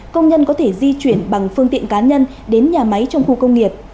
công nhân có thể di chuyển bằng phương tiện cá nhân đến nhà máy trong khu công nghiệp